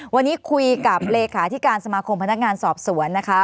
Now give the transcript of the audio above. วันนี้คุยกับเลขาที่การสมาคมพนักงานสอบสวนนะคะ